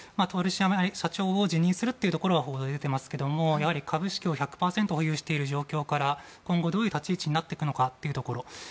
社長を辞任するところは報道で出ていますが株式を１００％保有している状況から今後、どういう立ち位置になっていくのかというところ。